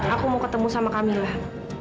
aku mau ketemu sama kamilah